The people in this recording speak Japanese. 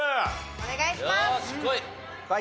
お願いします！